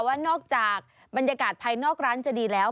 ว่านอกจากบรรยากาศภายนอกร้านจะดีแล้ว